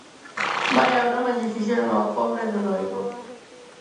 Vaia broma lle fixeron ao pobre do noivo.